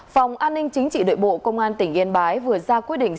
phòng an ninh chính trị nội bộ công an tỉnh yên bái vừa ra quyết định